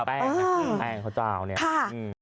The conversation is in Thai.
แป้งเขาจะเอา